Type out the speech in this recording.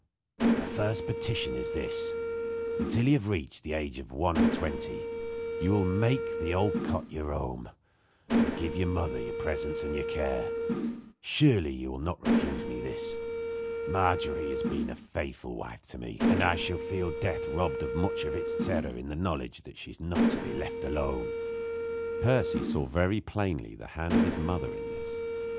My first petition is this: Until you have reached the age of one and twenty you will make the old cot your home, and give to your mother your presence and your care. Surely, you will not refuse me this. Margery has been a faithful wife to me, and I shall feel death robbed of much of its terror in the knowledge that she is not to be left alone." Percy saw very plainly the hand of his mother in this.